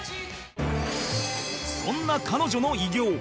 そんな彼女の偉業